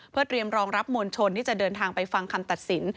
เพื่อเตรียมรองรับมวลชนที่จะเดินทางไปฟังคำตัดสิน